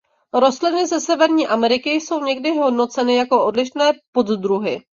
Rostliny ze Severní Ameriky jsou někdy hodnoceny jako odlišné poddruhy.